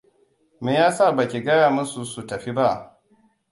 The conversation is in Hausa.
Me ya sa ba ki gaya musu su tafi ba?